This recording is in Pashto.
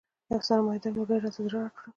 یو سرمایه دار ملګري زړه راته وټکاوه.